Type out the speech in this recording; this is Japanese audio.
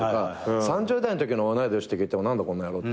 ３０代のときの同い年って聞いても何だこの野郎って。